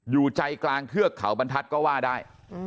อยู่ใจกลางเทือกเขาบรรทัศน์ก็ว่าได้